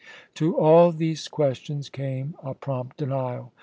To all these questions came a prompt denial.